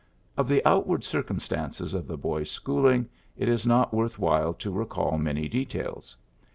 Of the outward circumstances of the boy's schooling it is not worth while to recall many details.